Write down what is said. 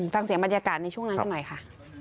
ฟังเสียงบรรยากาศในช่วงนั้นกันหน่อยค่ะ